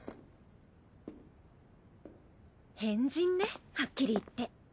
変人ねはっきり言って。